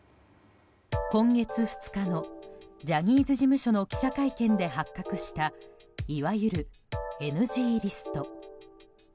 今月２日のジャニーズ事務所の記者会見で発覚した、いわゆるＮＧリスト。